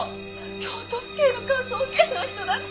京都府警の科捜研の人だって。